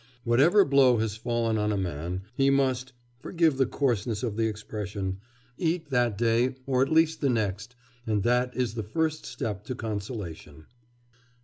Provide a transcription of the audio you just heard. Whatever blow has fallen on a man, he must forgive the coarseness of the expression eat that day or at least the next, and that is the first step to consolation.